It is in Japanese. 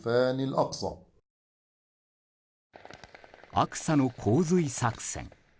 アクサの洪水作戦。